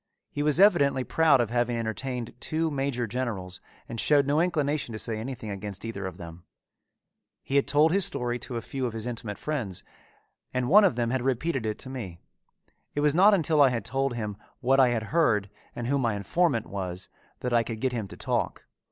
He was evidently proud of having entertained two major generals and showed no inclination to say anything against either of them. He had told his story to a few of his intimate friends and one of them had repeated it to me. It was not until I had told him what I had heard and who my informant was that I could get him to talk.